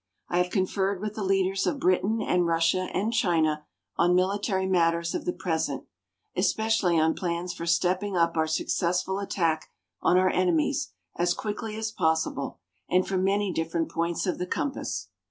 I have conferred with the leaders of Britain and Russia and China on military matters of the present especially on plans for stepping up our successful attack on our enemies as quickly as possible and from many different points of the compass.